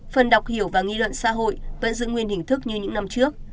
phần đọc hiểu và nghi luận xã hội vẫn giữ nguyên hình thức như những năm trước